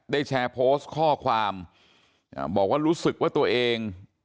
แชร์โพสต์ข้อความบอกว่ารู้สึกว่าตัวเอง